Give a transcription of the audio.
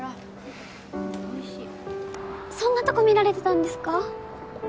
そんなとこ見られてたんですか？